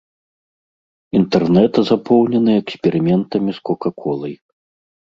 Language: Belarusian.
Інтэрнэт запоўнены эксперыментамі з кока-колай.